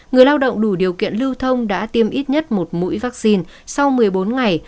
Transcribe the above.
người lao động đủ điều kiện lưu thông đã tiêm ít nhất một mũi vaccine sau một mươi bốn ngày